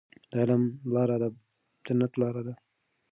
د علم لاره د جنت لاره ده.